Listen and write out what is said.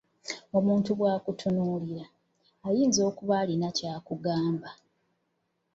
Omuntu bw’akutunuulira, ayinza okuba alina ky'akugamba.